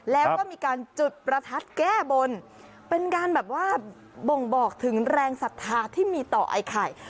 แล้วก็มีการจุดประทัดแก้บนเป็นการแบบว่าบ่งบอกถึงแรงศรัทธาที่มีต่อไอ้ไข่